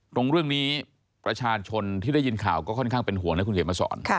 ตรงเรื่องนี้ประชาชนที่ได้ยินข่าวก็ค่อนข้างเป็นห่วงแล้วคุณเกดมาสอน